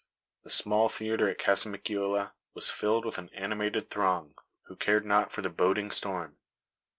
The small theatre at Casamicciola was filled with an animated throng, who cared not for the boding storm.